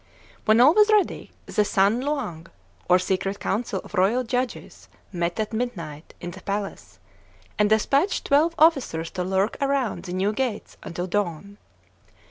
When all was ready, the San Luang, or secret council of Royal Judges, met at midnight in the palace, and despatched twelve officers to lurk around the new gates until dawn.